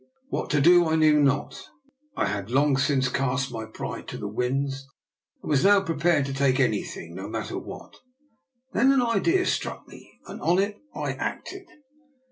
What to do I knew not. I had long since cast my pride to the winds, and was now prepared to take anything, no matter what. Then an idea struck me, and on it I acted.